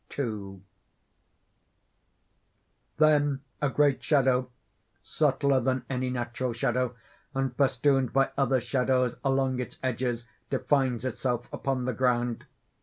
II (_Then a great shadow, subtler than any natural shadow, and festooned by other shadows along its edges, defines itself upon the ground.